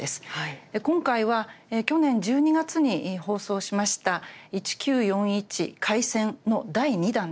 今回は去年１２月に放送しました「１９４１開戦」の第２弾です。